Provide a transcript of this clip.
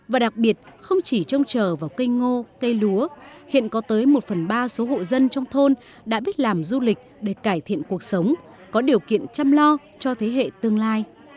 và đặc biệt không chỉ trông chờ vào cây ngô cây lúa hiện có tới một phần ba số hộ dân trong thôn đã biết làm du lịch để cải thiện cuộc sống có điều kiện chăm lo cho thế hệ tương lai